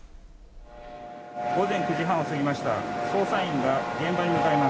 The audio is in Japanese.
午前９時半を過ぎました。